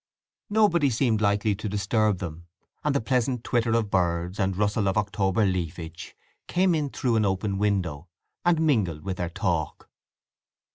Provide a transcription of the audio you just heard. Nobody seemed likely to disturb them; and the pleasant twitter of birds, and rustle of October leafage, came in through an open window, and mingled with their talk.